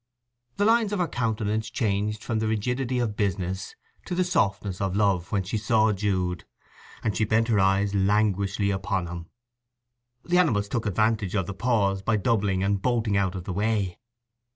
The lines of her countenance changed from the rigidity of business to the softness of love when she saw Jude, and she bent her eyes languishingly upon him. The animals took advantage of the pause by doubling and bolting out of the way.